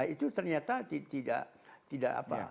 itu ternyata tidak apa